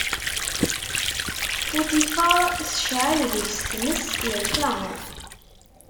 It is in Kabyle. Futifaṛ tecɛel deg-s tmes, irfa.